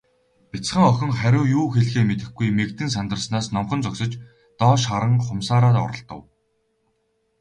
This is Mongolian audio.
Бяцхан охин хариу юу хэлэхээ мэдэхгүй, мэгдэн сандарснаас номхон зогсож, доош харан хумсаараа оролдов.